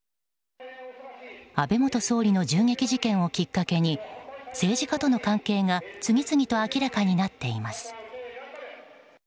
安倍元総理の銃撃事件をきっかけに政治家との関係が次々と明らかになっています。